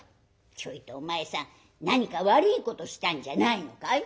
「ちょいとお前さん何か悪いことしたんじゃないのかい？」。